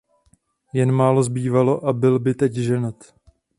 Jen málo zbývalo a byl by teď ženat.